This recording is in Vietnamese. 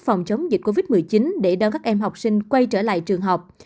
phòng chống dịch covid một mươi chín để đón các em học sinh quay trở lại trường học